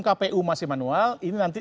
kpu masih manual ini nanti